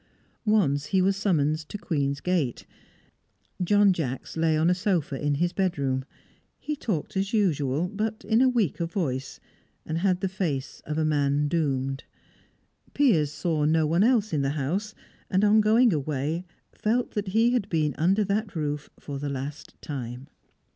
Once he was summoned to Queen's Gate. John Jacks lay on a sofa, in his bedroom; he talked as usual, but in a weaker voice, and had the face of a man doomed. Piers saw no one else in the house, and on going away felt that he had been under that roof for the last time.